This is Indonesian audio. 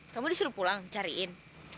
kamu disuruh pulang cariin